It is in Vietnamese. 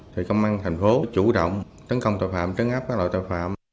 thì công an tp chủ động tấn công tội phạm trấn áp các loại tội phạm